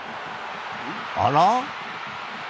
あら？